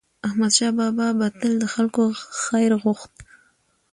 احمدشاه بابا به تل د خلکو خیر غوښت.